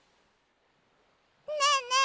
ねえねえ